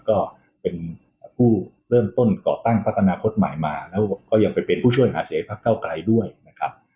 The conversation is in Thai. ก็เป็นผู้เริ่มต้นก่อตั้งพักอนาคตใหม่มาแล้วก็ยังไปเป็นผู้ช่วยหาเสียงพักเก้าไกลด้วยนะครับ